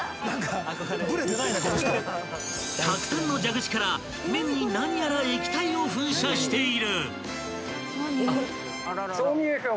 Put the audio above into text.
［たくさんの蛇口から麺に何やら液体を噴射している］